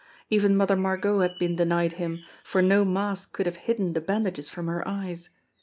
Even Mother Margot had been denied him, for no mask could have hidden the bandages from her eyes.